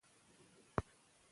که درناوی وي نو سپکاوی نه وي.